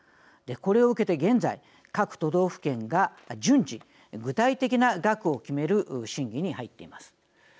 これを受けて現在各都道府県が順次具体的な額を決める審議に入っています。